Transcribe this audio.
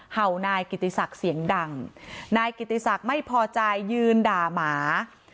เห่านายกิติศักดิ์เสียงดังนายกิติศักดิ์ไม่พอใจยืนด่าหมา